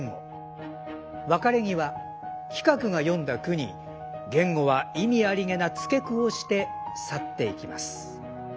別れ際其角が詠んだ句に源吾は意味ありげな付句をして去っていきます。